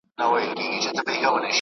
افغانان غواړي په یوه لوی پارک کي `